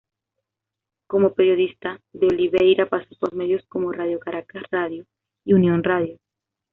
Como periodista, De Oliveira pasó por medios como Radio Caracas Radio y Unión Radio.